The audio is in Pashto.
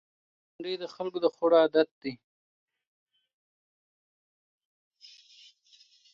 بېنډۍ د خلکو د خوړو عادت دی